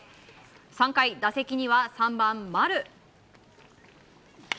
３回、打席には３番、丸。